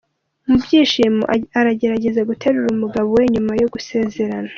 Mu byishimo aragerageza guterura umugabo we nyuma yo gusezerana.